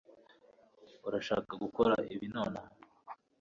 Urashaka gukora ibi nonaha